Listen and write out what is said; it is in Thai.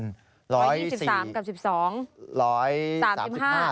๑๒๓กับ๑๒